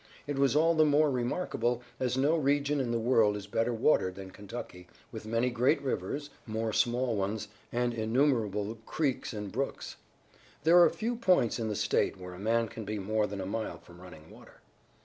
It was all the more remarkable as no region in the world is better watered than Kentucky, with many great rivers, more small ones, and innumerable creeks and brooks. There are few points in the state where a man can be more than a mile from running water.